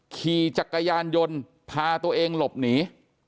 ขี่จักรยานยนต์พาตัวเองหลบหนี